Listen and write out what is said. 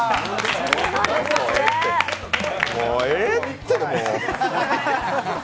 もうええって、もう。